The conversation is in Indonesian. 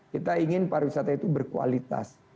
kita ingin para wisata itu berkualitas